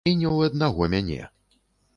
І не ў аднаго мяне.